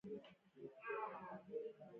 چخماق هغه کاڼی دی چې اور پرې بلیږي.